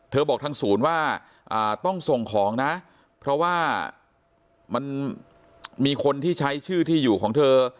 บอกทางศูนย์ว่าต้องส่งของนะเพราะว่ามันมีคนที่ใช้ชื่อที่อยู่ของเธอ